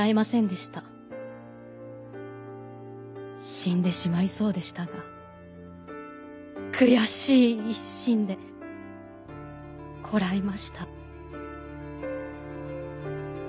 「死んでしまいそうでしたがくやしい一心でこらえました」。